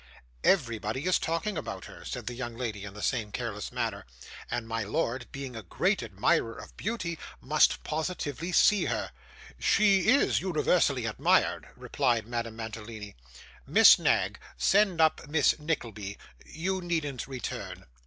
'Everybody is talking about her,' said the young lady, in the same careless manner; 'and my lord, being a great admirer of beauty, must positively see her.' 'She IS universally admired,' replied Madame Mantalini. 'Miss Knag, send up Miss Nickleby. You needn't return.